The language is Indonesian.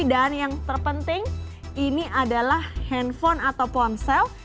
dan yang terpenting ini adalah handphone atau ponsel